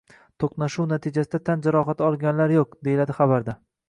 “To‘qnashuv natijasida tan jarohati olganlar yo‘q”, — deyiladi xabarda